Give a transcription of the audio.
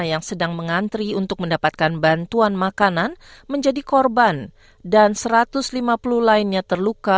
yang sedang mengantri untuk mendapatkan bantuan makanan menjadi korban dan satu ratus lima puluh lainnya terluka